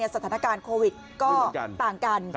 สถานการณ์โควิดก็ต่างกัน